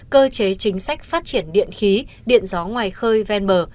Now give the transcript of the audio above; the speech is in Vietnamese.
cơ chế chính sách phát triển điện khí điện gió ngoài khơi ven bờ